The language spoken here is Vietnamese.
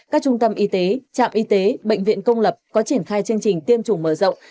các trung tâm y tế trạm y tế bệnh viện công lập có triển khai chương trình tiêm chủng mở rộng